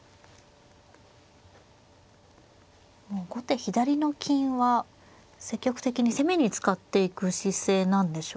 もう後手左の金は積極的に攻めに使っていく姿勢なんでしょうか。